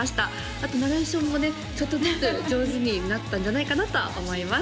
あとナレーションもねちょっとずつ上手になったんじゃないかなとは思います